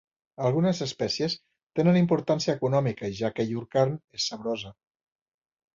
Algunes espècies tenen importància econòmica, ja que llur carn és saborosa.